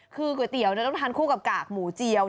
คือก๋วยเตี๋ยวต้องทานคู่กับกากหมูเจียว